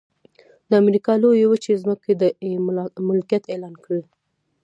د امریکا لویې وچې ځمکې یې ملکیت اعلان کړې.